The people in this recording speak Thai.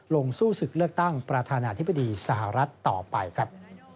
ลงสู้ศึกเลือกตั้งประธานาธิบดีสหรัฐต่อไปครับ